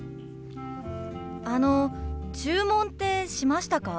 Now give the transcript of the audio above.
あの注文ってしましたか？